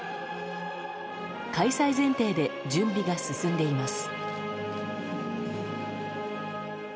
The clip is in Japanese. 開催前提で準備が進んでいます。